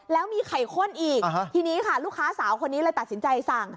แล้วมีไข่ข้นอีกทีนี้ค่ะลูกค้าสาวคนนี้เลยตัดสินใจสั่ง